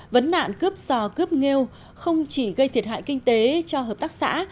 vấn nạn cướp sò cướp nghêu không chỉ gây thiệt hại kinh tế cho hợp tác xã